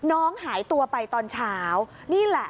น้องหายตัวไปตอนเช้านี่แหละ